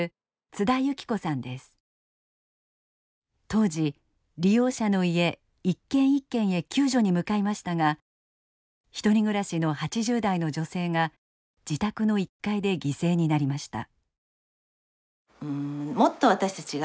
当時利用者の家一軒一軒へ救助に向かいましたが１人暮らしの８０代の女性が自宅の１階で犠牲になりました。